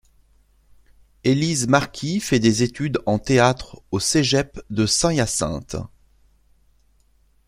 Élyse Marquis fait des études en théâtre au Cégep de Saint-Hyacinthe.